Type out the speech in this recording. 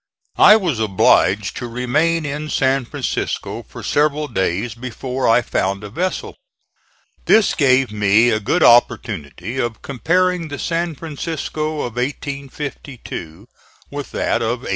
I was obliged to remain in San Francisco for several days before I found a vessel. This gave me a good opportunity of comparing the San Francisco of 1852 with that of 1853.